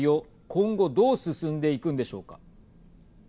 今後どう進んでいくんでしょうか。